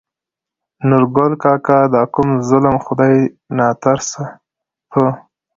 نورګل کاکا : دا کوم ظلم خداى ناترسه په